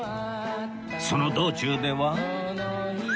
その道中では